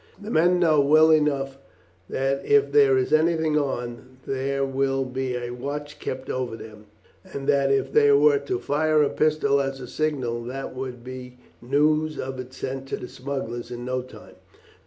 The men know well enough that if there is anything on, there will be a watch kept over them, and that if they were to fire a pistol as a signal, there would be news of it sent to the smugglers in no time.